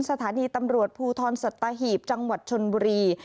สถานีตำรวจภูทรสัตหีบจังหวัดชนบุรี